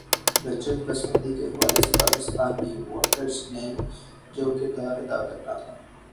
رجعت پسندی کے حوالے سے پاکستانی ووٹرز نے جو کردار ادا کرنا تھا۔